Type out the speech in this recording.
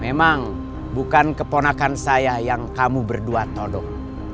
memang bukan keponakan saya yang kamu berdua tolong